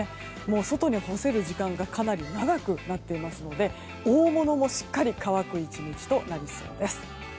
外に干せる時間がかなり長くなっていますので大物もしっかり乾く１日となりそうです。